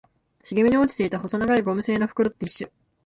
茂みに落ちていた細長いゴム製の袋とティッシュ